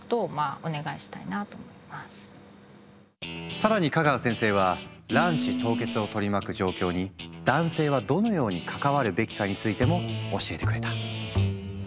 更に香川先生は卵子凍結を取り巻く状況に男性はどのように関わるべきかについても教えてくれた。